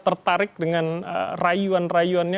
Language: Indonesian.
tertarik dengan rayuan rayuannya